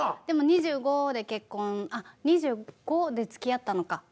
でも２５で結婚あっ２５でつきあったのか。